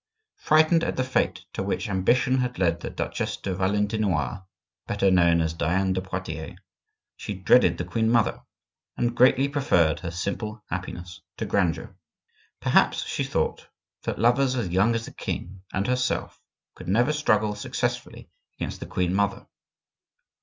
Frightened at the fate to which ambition had led the Duchesse de Valentinois (better known as Diane de Poitiers), she dreaded the queen mother, and greatly preferred her simple happiness to grandeur. Perhaps she thought that lovers as young as the king and herself could never struggle successfully against the queen mother.